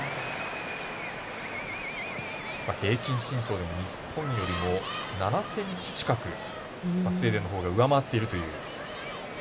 平均身長でも日本よりも７ｃｍ近くスウェーデンのほうが上回っているという。